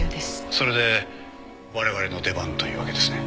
それでわれわれの出番というわけですね。